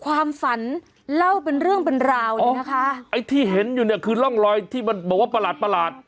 ความฝันเล่าเป็นเรื่องเป็นราวเนี่ยนะคะไอ้ที่เห็นอยู่เนี่ยคือร่องรอยที่มันบอกว่าประหลาดประหลาด